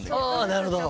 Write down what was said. なるほど。